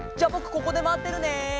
ここでまってるね。